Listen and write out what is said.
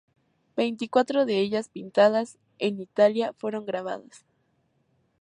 Veinticuatro de ellas, pintadas en Italia, fueron grabadas.